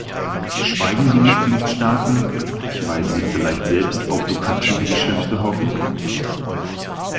Schweigen die Mitgliedstaaten, weil sie vielleicht selbst auf lukrative Geschäfte hoffen?